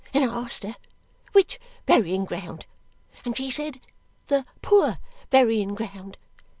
And I asked her which burying ground. And she said, the poor burying ground.